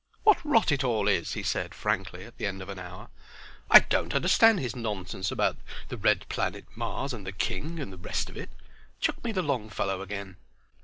"What rot it all is!" he said, frankly, at the end of an hour. "I don't understand his nonsense about the Red Planet Mars and the King, and the rest of it. Chuck me the Longfellow again."